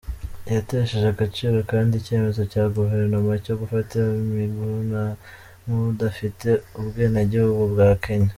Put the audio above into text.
Yatesheje agaciro kandi icyemezo cya Guverinoma cyo gufata Miguna nk’udafite ubwenegihugu bwa Kenya.